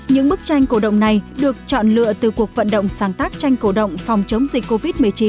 những bức tranh cổ động này được chọn lựa từ cuộc vận động sáng tác tranh cổ động phòng chống dịch covid một mươi chín